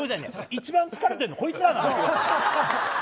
一番疲れてるの、こいつらなの。